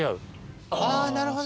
ああなるほど。